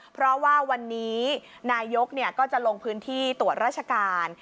เพราะว่าวันนี้นายกก็จะลงพื้นที่ตรวจราชการ